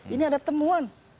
ini ada temuan